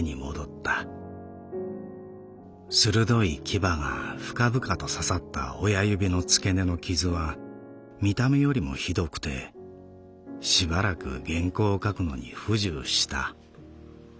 鋭い牙が深々と刺さった親指の付け根の傷は見た目よりも酷くてしばらく原稿を書くのに不自由した。